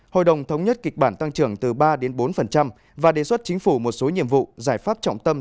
hội đồng thống nhất kịch bản tăng trưởng từ ba bốn và đề xuất chính phủ một số nhiệm vụ giải pháp trọng tâm